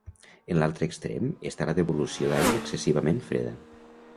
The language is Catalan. En l'altre extrem està la devolució d'aigua excessivament freda.